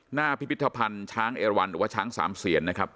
พิพิธภัณฑ์ช้างเอวันหรือว่าช้างสามเสียนนะครับ